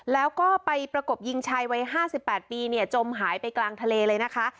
แล้วก็ไปประกบยิงชายวัย๕๘ปีจมหายไปกลางทะเลเลยนะคะ